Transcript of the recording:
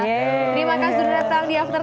terima kasih sudah datang di after sepuluh